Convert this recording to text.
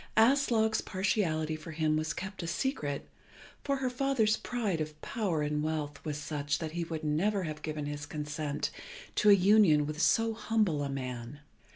Aslog's partiality for him was kept a secret, for her father's pride of power and wealth was such that he would never have given his consent to a union with so humble a man.